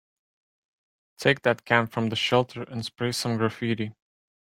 Take that can from the shelter and spray some graffiti.